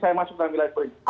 saya masuk dalam nilai peringkat